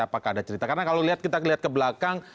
apakah ada cerita karena kalau kita lihat kebelakang